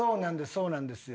そうなんですよ。